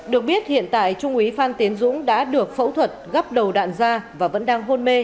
được biết hiện tại trung úy phan tiến dũng đã được phẫu thuật gắp đầu đạn da và vẫn đang hôn mê